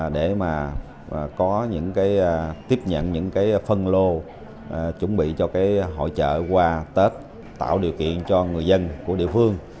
để tiếp nhận những phân lô chuẩn bị cho hội chợ hoa tết tạo điều kiện cho người dân của địa phương